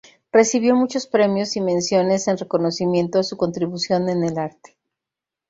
Recibió muchos premios y menciones en reconocimiento a su contribución en el arte.